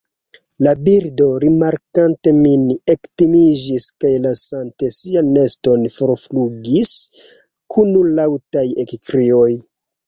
La birdo, rimarkante min, ektimiĝis, kaj lasante sian neston forflugis kun laŭtaj ekkrioj.